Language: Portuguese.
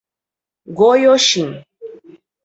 Goioxim